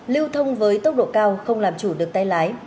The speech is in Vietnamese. lưu thông với tốc độ cao không làm chủ được tay lái